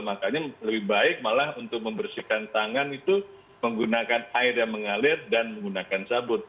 makanya lebih baik malah untuk membersihkan tangan itu menggunakan air yang mengalir dan menggunakan sabut